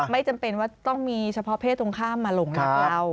ไม่จำเป็นว่าต้องมีเฉพาะเพศตรงข้ามมาหลงรักเรา